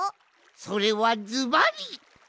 それはズバリ！